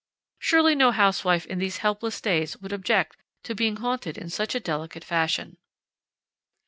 Surely no housewife in these helpless days would object to being haunted in such delicate fashion.